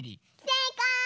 せいかい！